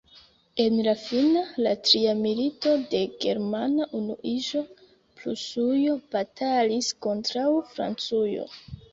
En la fina, la tria milito de germana unuiĝo, Prusujo batalis kontraŭ Francujo.